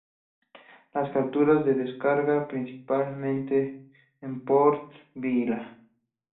Las capturas se descargan principalmente en Port Vila.